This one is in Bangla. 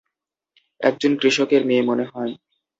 একজন কৃষকের মেয়ে, মনে হয়।